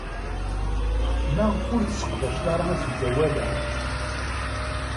Maɣef ur yesseqdac ara asegzawal-a?